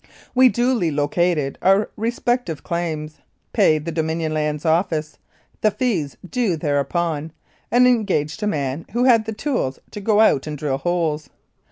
We duly located our respective claims, paid the Dominion Lands Office the fees due thereupon, and engaged a man who had the tools to go out and drill holes.